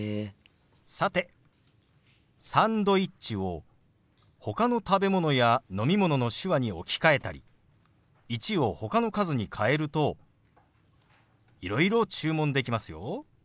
さて「サンドイッチ」をほかの食べ物や飲み物の手話に置き換えたり「１」をほかの数に変えるといろいろ注文できますよ。